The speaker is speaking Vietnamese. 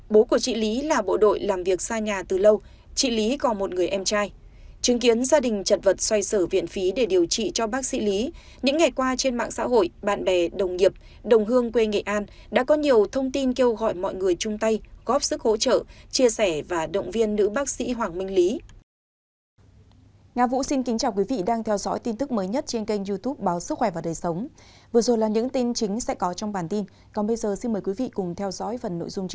bố của chị lý là bộ đội làm việc xa nhà từ lâu chị lý có một người em trai chứng kiến gia đình chật vật xoay sở viện phí để điều trị cho bác sĩ lý những ngày qua trên mạng xã hội bạn bè đồng nghiệp đồng hương quê nghệ an đã có nhiều thông tin kêu gọi mọi người chung tay góp sức hỗ trợ chia sẻ và động viên nữ bác sĩ hoàng minh lý